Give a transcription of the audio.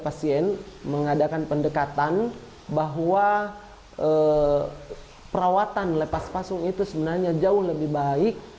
pasien mengadakan pendekatan bahwa perawatan lepas pasung itu sebenarnya jauh lebih baik